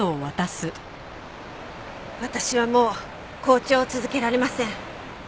私はもう校長を続けられません。